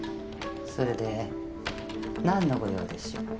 それで何のご用でしょう？